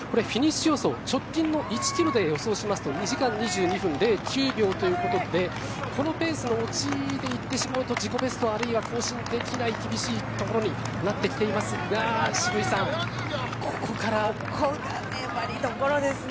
これ、フィニッシュ予想、直近の１キロで予想しますと２時間２２分０９秒ということでこのペースで行ってしまうと自己ベスト更新できない厳しいペースになってきますがここがつらいところですかね。